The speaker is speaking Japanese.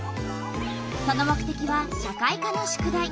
その目てきは社会科の宿題。